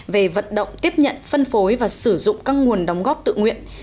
về vận động tiếp nhận phân phối và sử dụng các nguồn đóng góp tự nguyện